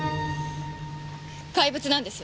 怪物なんです。